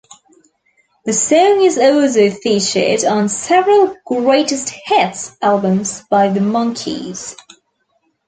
The song is also featured on several "greatest hits" albums by The Monkees.